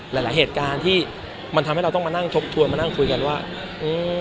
หลายหลายเหตุการณ์ที่มันทำให้เราต้องมานั่งทบทวนมานั่งคุยกันว่าอืม